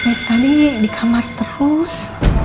kayak tadi di kamar terus